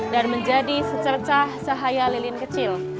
dan menjadi secercah cahaya lilin kecil